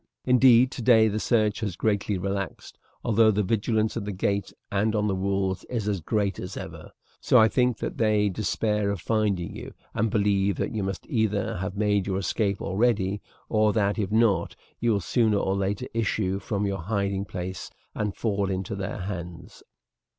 Indeed, today the search has greatly relaxed, although the vigilance at the gate and on the walls is as great as ever; so I think that they despair of finding you, and believe that you must either have made your escape already, or that if not you will sooner or later issue from your hiding place and fall into their hands."